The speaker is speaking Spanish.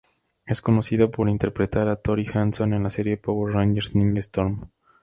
Es conocida por interpretar a Tori Hanson en la serie Power Rangers Ninja Storm.